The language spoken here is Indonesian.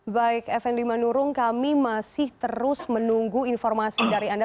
baik fnd manurung kami masih terus menunggu informasi dari anda